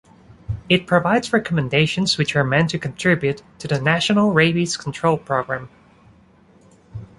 It provides recommendations which are meant to contribute to the national rabies control program.